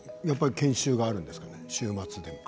研修があるんですかね、週末でも。